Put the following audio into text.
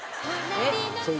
えっ！